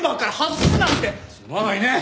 すまないね。